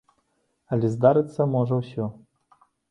Але здарыцца можа ўсё.